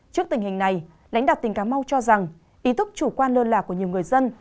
trước tình hình này lãnh đạo tỉnh cà mau cho rằng ý thức chủ quan lơ lạc của nhiều người dân